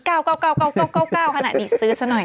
ขนาดนี้ซื้อซะหน่อย